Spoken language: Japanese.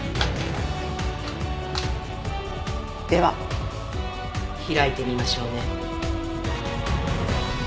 では開いてみましょうね。